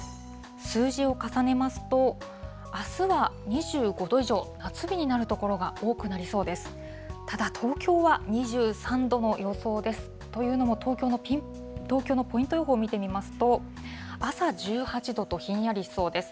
数字を重ねますと、あすは２５度以上、夏日になる所が多くなりそうです。